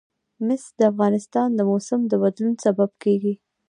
مس د افغانستان د موسم د بدلون سبب کېږي.